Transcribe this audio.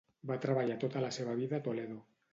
Va treballar tota la seva vida a Toledo.